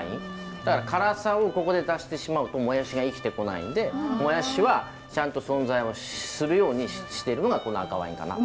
だから辛さをここで出してしまうともやしが生きてこないんでもやしはちゃんと存在をするようにしてるのがこの赤ワインかなと。